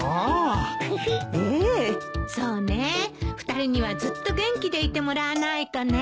２人にはずっと元気でいてもらわないとね。